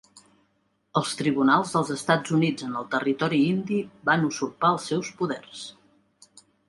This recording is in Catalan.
Els tribunals dels Estats Units en el Territori Indi van usurpar els seus poders.